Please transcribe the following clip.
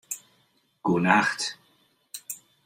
Goenacht